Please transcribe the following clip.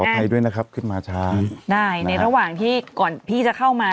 ภัยด้วยนะครับขึ้นมาช้าได้ในระหว่างที่ก่อนพี่จะเข้ามา